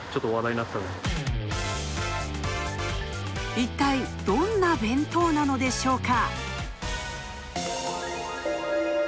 いったいどんな弁当なのでしょうか。